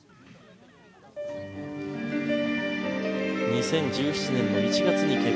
２０１７年の１月に結婚。